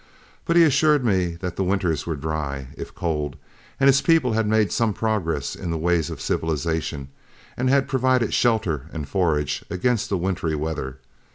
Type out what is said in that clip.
But he assured me that the winters were dry, if cold, and his people had made some progress in the ways of civilization, and had provided shelter and forage against the wintry weather.